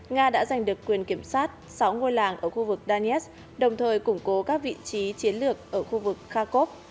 nga đã giành được quyền kiểm soát sáu ngôi làng ở khu vực danetsk đồng thời củng cố các vị trí chiến lược ở khu vực kharkov